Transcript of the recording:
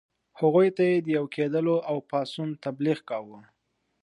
هغوی ته یې د یو کېدلو او پاڅون تبلیغ کاوه.